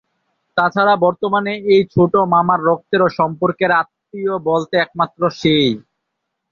তাছাড়া বর্তমানে এই ছোট মামার রক্তের সম্পর্কের আত্মীয় বলতে একমাত্র সেই।